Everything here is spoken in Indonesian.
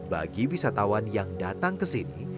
bagi wisatawan yang datang kesini